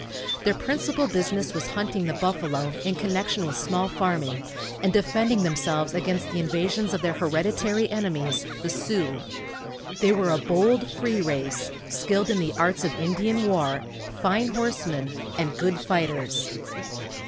Their principal business was hunting the buffalo, in connection with small farming, and defending themselves against the invasions of their hereditary enemies, the Sioux. They were a bold, free race, skilled in the arts of Indian war, fine horsemen, and good fighters.